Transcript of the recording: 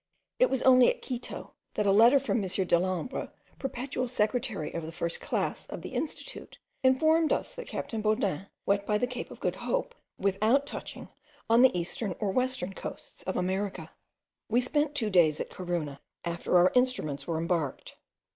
It was only at Quito, that a letter from M. Delambre, perpetual secretary of the first class of the Institute, informed us, that captain Baudin went by the Cape of Good Hope, without touching on the eastern or western coasts of America. We spent two days at Corunna, after our instruments were embarked.